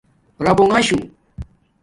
رابنݣ شو